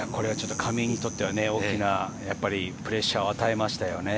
上井にとっては大きなプレッシャーを与えましたね。